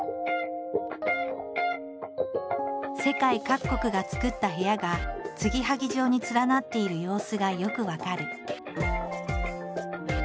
世界各国が作った部屋が継ぎはぎ状に連なっている様子がよく分かる。